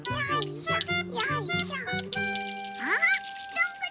あっ！